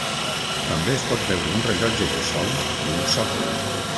També es pot veure un rellotge de sol i un sòcol.